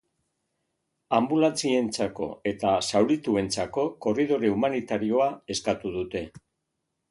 Anbulantzientzako eta zaurituentzako korridore humanitarioa eskatu dute.